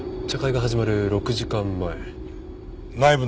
茶会が始まる６時間前。